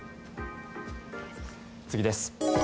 次です。